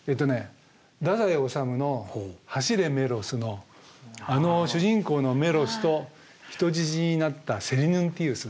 太宰治の「走れメロス」のあの主人公のメロスと人質になったセリヌンティウス。